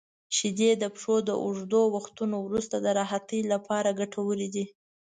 • شیدې د پښو د اوږدو وختونو وروسته د راحتۍ لپاره ګټورې دي.